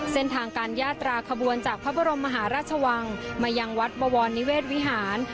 เส้นทางการยาตราขบวนจากพระบรมมหาราชวังมายังวัดบวรนิเวศวิหาร